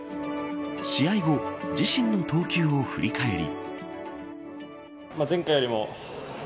試合後、自身の投球を振り返り。